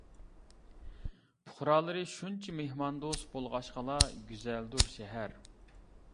پۇقرالىرى شۇنچە مېھماندوست، بولغاچقىلا گۈزەلدۇر شەھەر.